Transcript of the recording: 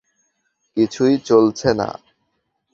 কিছুই চলছে না।